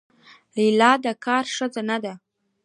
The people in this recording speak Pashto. لیلا د کار ښځه نه ده.